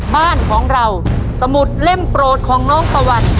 บ้านของเราสมุดเล่มโปรดของน้องตะวัน